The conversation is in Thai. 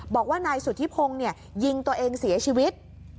บอกว่านายสุธิพงศ์ยิงตัวเองเสียชีวิต